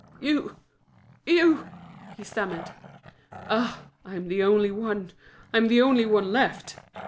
"You! you!" he stammered. "Ah, I'm the only one—I'm the only one left!"